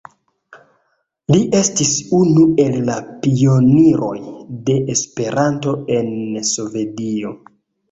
Li estis unu el la pioniroj de Esperanto en Svedio.